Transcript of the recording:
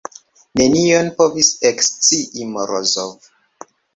Nenion povis ekscii Morozov.